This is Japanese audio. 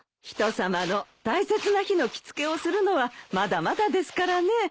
人さまの大切な日の着付けをするのはまだまだですからね。